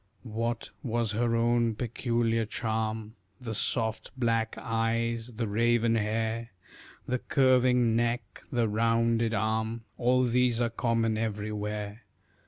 What was her own peculiar charm? The soft black eyes, the raven hair, The curving neck, the rounded arm, All these are common everywhere.